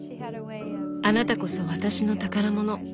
「あなたこそ私の宝物」。